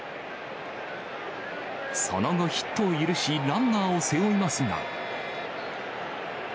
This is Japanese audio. その後、ヒットを許し、ランナーを背負いますが。